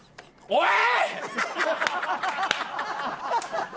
おい！